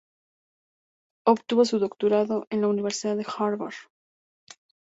Obtuvo su Doctorado en la Universidad de Harvard.